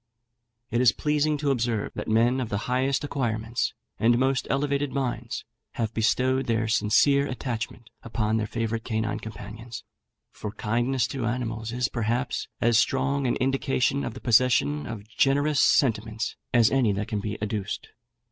It is pleasing to observe that men of the highest acquirements and most elevated minds have bestowed their sincere attachment upon their favourite canine companions; for kindness to animals is, perhaps, as strong an indication of the possession of generous sentiments as any that can be adduced.